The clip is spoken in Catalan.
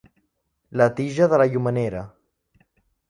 La tija de la llumenera.